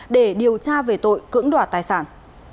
để điều tra về tội cưỡng đoạt tài sản